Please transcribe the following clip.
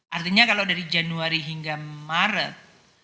artinya kalau dari januari hingga maret